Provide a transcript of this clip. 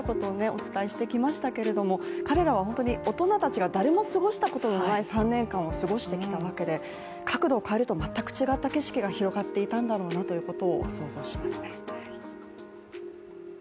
お伝えしてきましたけれども彼らは本当に大人たちが誰も過ごしたことのない３年間を過ごしてきたわけで角度を変えると全く違った景色が広がっていたんだろうなということを想像しますね。